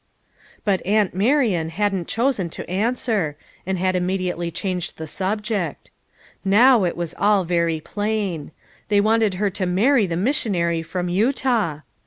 But "Aunt Marian" hadn't chosen to an swer, and had immediately changed the sub ject. Now it was all very plain. They wanted her to marry the missionary from Utah!